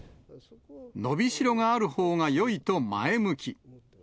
伸びしろがあるほうがよいと前向き。